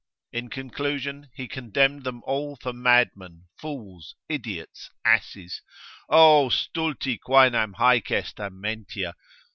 In conclusion, he condemned them all for madmen, fools, idiots, asses, O stulti, quaenam haec est amentia?